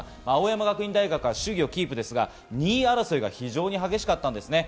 青山学院大学は首位をキープですが、２位争いが非常に激しかったんです。